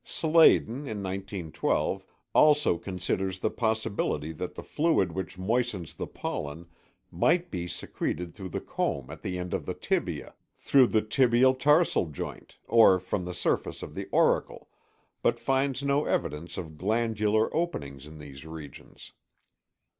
Sladen (1912, c) also considers the possibility that the fluid which moistens the pollen might be secreted through the comb at the end of the tibia, through the tibio tarsal joint, or from the surface of the auricle, but finds no evidence of glandular openings in these regions.